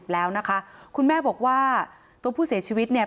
แล้วนะคะคุณแม่บอกว่าตัวผู้เสียชีวิตเนี่ย